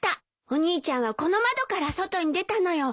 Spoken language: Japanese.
お兄ちゃんはこの窓から外に出たのよ。